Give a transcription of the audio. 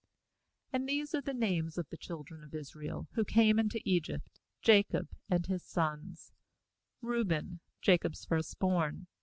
8And these are the names of the children of Israel, who came into Egypt, Jacob and his sons: Reuben, Jacob's first born.